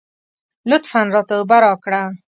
لطفاً راته اوبه راکړه.